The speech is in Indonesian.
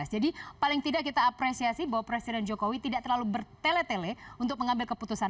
jadi paling tidak kita apresiasi bahwa presiden jokowi tidak terlalu bertele tele untuk mengambil keputusan